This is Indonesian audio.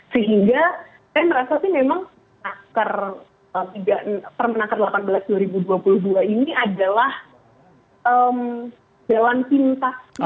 sehingga saya merasa sih memang permenaker delapan belas dua ribu dua puluh dua ini adalah jalan pintas